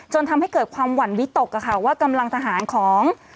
ทำให้เกิดความหวั่นวิตกว่ากำลังทหารของ